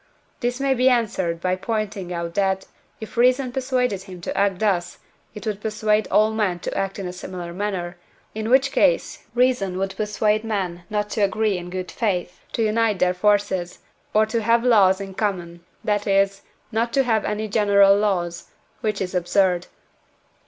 This may be answered by pointing out that, if reason persuaded him to act thus, it would persuade all men to act in a similar manner, in which case reason would persuade men not to agree in good faith to unite their forces, or to have laws in common, that is, not to have any general laws, which is absurd.